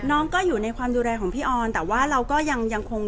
แต่ว่าสามีด้วยคือเราอยู่บ้านเดิมแต่ว่าสามีด้วยคือเราอยู่บ้านเดิม